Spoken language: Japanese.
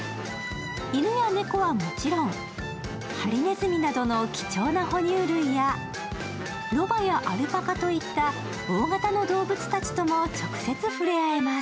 犬や猫はもちろん、ハリネズミなどの貴重な哺乳類やロバやアルパカといった大型の動物たちとも直接触れ合えます。